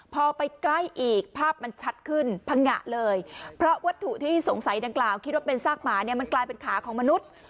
พอไปใกล้อีกภาพมันชัดขึ้นพังงะเลยเพราะวัตถุที่สงสัยดังกล่าวคิดว่าเป็นซากหมาเนี่ยมันกลายเป็นขาของมนุษย์